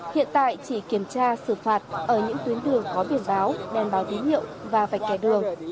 hiện tại chỉ kiểm tra xử phạt ở những tuyến đường có biển báo đèn báo tín hiệu và vạch kẻ đường